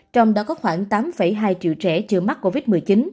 trong đó có khoảng tám hai triệu trẻ chưa mắc covid một mươi chín